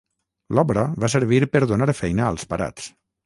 L'obra va servir per donar feina als parats.